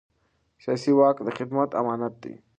سیاسي واک د خدمت امانت دی